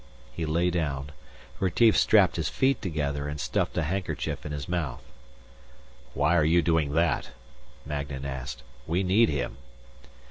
He lay down. Retief strapped his feet together and stuffed a handkerchief in his mouth. "Why are you doing that?" Magnan asked. "We need him."